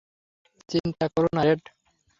চিন্তা করো না, রেড।